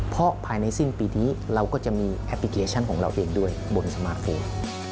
เพราะภายในสิ้นปีนี้เราก็จะมีแอปพลิเคชันของเราเองด้วยบนสมาร์เฟย์